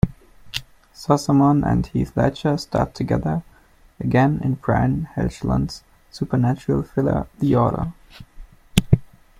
Sossamon and Heath Ledger starred together again in Brian Helgeland's supernatural thriller "The Order".